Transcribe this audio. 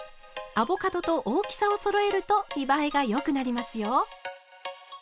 アボカドと大きさをそろえると見栄えがよくなりますよ。